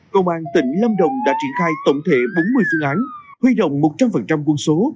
công an tỉnh lâm đồng đã triển khai tổng thể bốn mươi phương án huy động một trăm linh quân số